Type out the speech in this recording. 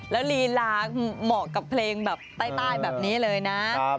แล้วลีลาเหมาะกับเพลงแบบใต้แบบนี้เลยนะ